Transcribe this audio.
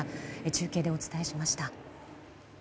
中継でお伝えしました。